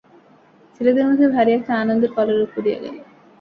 ছেলেদের মধ্যে ভারি একটা আনন্দের কলরব পড়িয়া গেল।